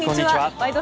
「ワイド！